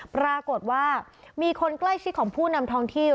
ปรากฏว่ามีคนใกล้ชิดของผู้นำท้องที่